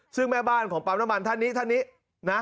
ซึ่งแม่บ้านของปั๊มน้ำมันท่านนี้ท่านนี้นะ